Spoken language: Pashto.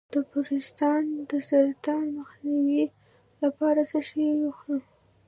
د پروستات د سرطان مخنیوي لپاره څه شی وخورم؟